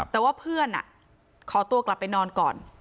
แต่ว่าเพื่อนขอตัวกลับไปนอนก่อน